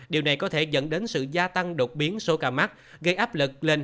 điều này có thể dẫn đến sự gia tăng đột biến số ca mắc gây áp lực lên